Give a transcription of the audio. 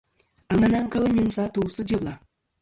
Aŋena kel nyuŋsɨ atu sɨ dyebla.